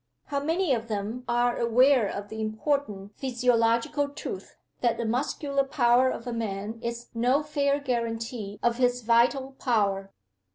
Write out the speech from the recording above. How many of them are aware of the important physiological truth, that the muscular power of a man is no fair guarantee of his vital power?